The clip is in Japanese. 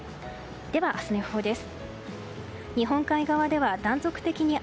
では、明日の予報です。